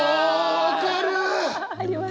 分かるよ。